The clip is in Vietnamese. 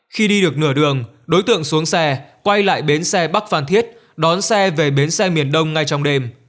khi đi được nửa đường đối tượng xuống xe quay lại bến xe bắc phan thiết đón xe về bến xe miền đông ngay trong đêm